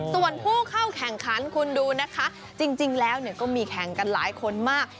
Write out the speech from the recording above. ส่วนผู้เข้าแข่งขันคุณดูนะคะจริงแล้วก็มีแข่งกันหลายคนมาก